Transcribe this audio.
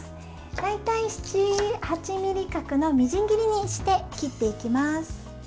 大体、７８ｍｍ角のみじん切りにして切っていきます。